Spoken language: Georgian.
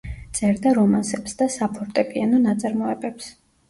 წერდა რომანსებს და საფორტეპიანო ნაწარმოებებს.